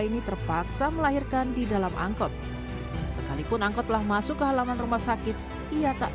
ini terpaksa melahirkan di dalam angkot sekalipun angkot telah masuk ke halaman rumah sakit ia tak